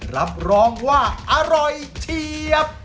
รับรองว่าอร่อยเฉียบ